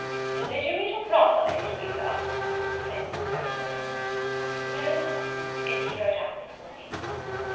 "Did you meet your brother, Lady Louisa?" said Mrs. Beaumont. "No, Ma'am. Is he rode out this morning?"